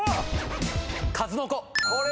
数の子。